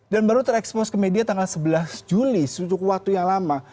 dan baru terekspos ke media tanggal sebelas juli suatu waktu yang lama